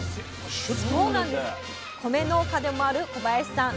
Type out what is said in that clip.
米農家でもある小林さん。